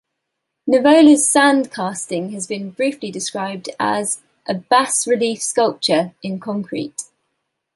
Nivola's sand casting has been briefly described as a bas-relief sculpture in concrete.